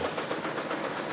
何？